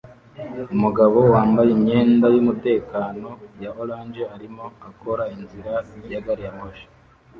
Umugabo wambaye imyenda yumutekano ya orange arimo akora inzira ya gari ya moshi